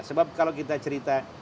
sebab kalau kita cerita